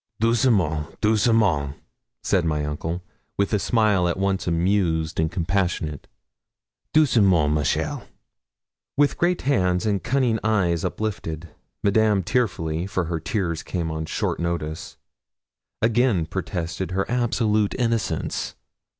'Doucement doucement!' said my uncle, with a smile at once amused and compassionate. 'Doucement! ma chère.' With great hands and cunning eyes uplifted, Madame tearfully for her tears came on short notice again protested her absolute innocence.